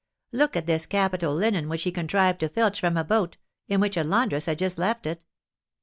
Look at this capital linen which he contrived to filch from a boat, in which a laundress had just left it!"